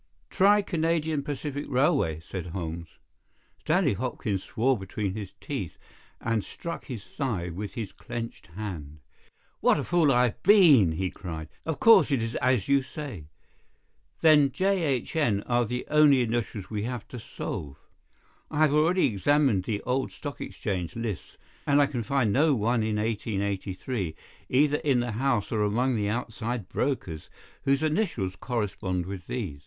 "Try Canadian Pacific Railway," said Holmes. Stanley Hopkins swore between his teeth, and struck his thigh with his clenched hand. "What a fool I have been!" he cried. "Of course, it is as you say. Then 'J.H.N.' are the only initials we have to solve. I have already examined the old Stock Exchange lists, and I can find no one in 1883, either in the house or among the outside brokers, whose initials correspond with these.